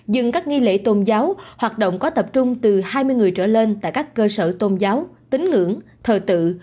dừng các nghi lễ tôn giáo hoạt động có tập trung từ hai mươi người trở lên tại các cơ sở tôn giáo tính ngưỡng thờ tự